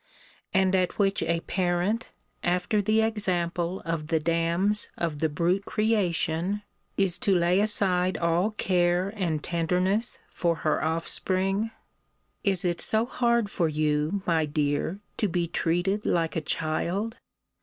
And at which a parent, after the example of the dams of the brute creation, is to lay aside all care and tenderness for her offspring? Is it so hard for you, my dear, to be treated like a child?